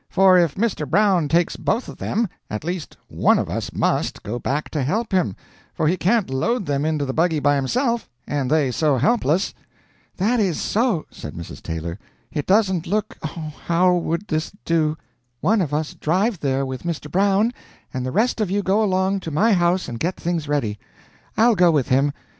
For if Mr. Brown takes both of them, at least one of us must, go back to help him, for he can't load them into the buggy by himself, and they so helpless." "That is so," said Mrs. Taylor. "It doesn't look oh, how would this do? one of us drive there with Mr. Brown, and the rest of you go along to my house and get things ready. I'll go with him.